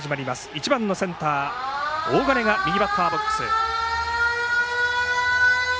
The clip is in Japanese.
１番のセンター、大金が右バッターボックス。